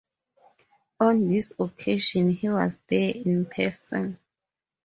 On this occasion he was there in person.